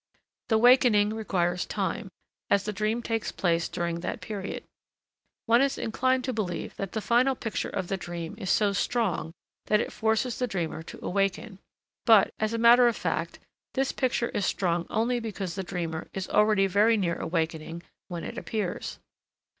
The awakening requires time, as the dream takes place during that period. One is inclined to believe that the final picture of the dream is so strong that it forces the dreamer to awaken; but, as a matter of fact, this picture is strong only because the dreamer is already very near awakening when it appears.